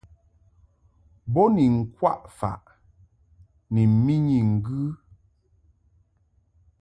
Bo ni ŋkwaʼ faʼ ni mɨnyi ŋgɨ.